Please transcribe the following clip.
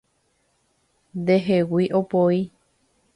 Ndehegui opoi